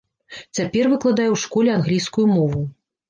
Цяпер выкладае ў школе англійскую мову.